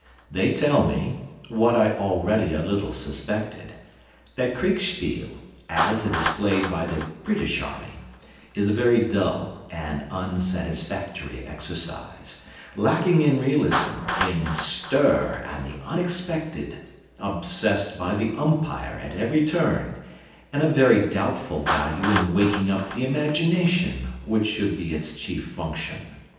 They tell me what I already a little suspected that Kriegspiel, as it is played by the British Army, is a very dull and unsatisfactory exercise, lacking in realism, in stir and the unexpected, obsessed by the umpire at every turn, and of very doubtful value in waking up the imagination, which should be its chief function.